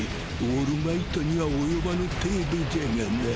オールマイトには及ばぬ程度じゃがな。